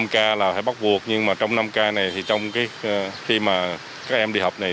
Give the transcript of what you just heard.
năm k là phải bắt buộc nhưng trong năm k này khi các em đi học này